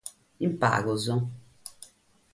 In pagos.